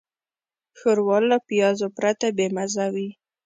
ښوروا له پیازو پرته بېمزه وي.